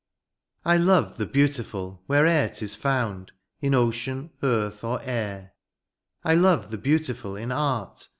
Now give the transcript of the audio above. I love the beautiful wherever *Tis found, in ocean, earth, or air ; I love the beautiful in art.